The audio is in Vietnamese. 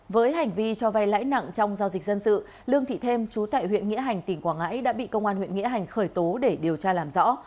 với hành vi cho vay lãi nặng trong giao dịch dân sự lương thị thêm chú tại huyện nghĩa hành tỉnh quảng ngãi đã bị công an huyện nghĩa hành khởi tố để điều tra làm rõ